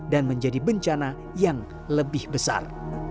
dan menjadi bencana yang lebih besar